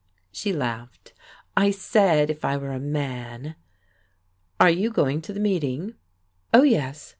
She laughed. "I said, if I were a man." "Are you going to the meeting?" "Oh, yes.